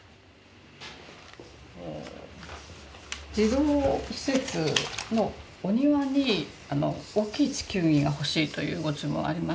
児童施設のお庭に大きい地球儀が欲しいというご注文ありまして。